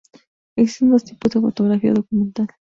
Existen dos tipos de fotografía documental.